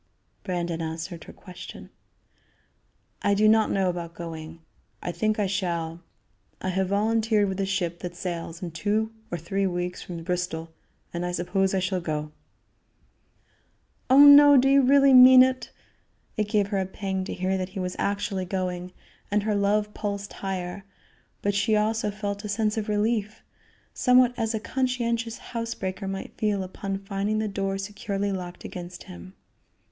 Brandon answered her question: "I do not know about going; I think I shall. I have volunteered with a ship that sails in two or three weeks from Bristol, and I suppose I shall go." "Oh, no! do you really mean it?" It gave her a pang to hear that he was actually going, and her love pulsed higher; but she also felt a sense of relief, somewhat as a conscientious house breaker might feel upon finding the door securely locked against him.